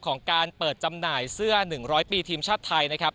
ของการเปิดจำหน่ายเสื้อ๑๐๐ปีทีมชาติไทยนะครับ